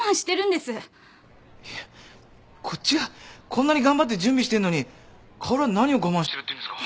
いやこっちがこんなに頑張って準備してんのに薫は何を我慢してるっていうんですか。